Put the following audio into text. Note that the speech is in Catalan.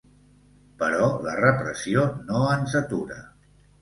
Però la repressió no ens atura.